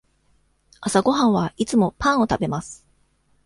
朝ごはんはいつもパンを食べます。